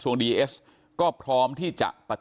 สวัสดีคุณผู้ชมครับสวัสดีคุณผู้ชมครับ